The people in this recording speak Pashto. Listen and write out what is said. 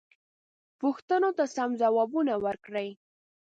پوښتنو ته سم ځوابونه ورکړئ.